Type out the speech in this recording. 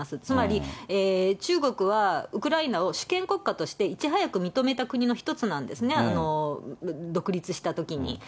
つまり、中国はウクライナを主権国家としていち早く認めた国の一つなんですね、独立したときに。